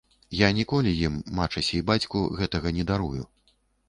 Я ніколі ім, мачасе і бацьку, гэтага не дарую.